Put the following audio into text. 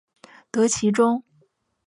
得其中